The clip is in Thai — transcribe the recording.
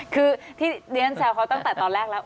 คือที่เรียนแซวเขาตั้งแต่ตอนแรกแล้ว